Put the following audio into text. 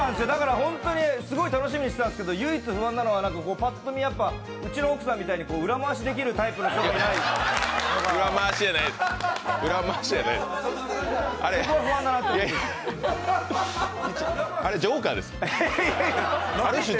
だから本当にすごい楽しみにしてたんですけど、唯一不安なのは、うちの奥さんみたいに裏回しできるタイプの人がいない。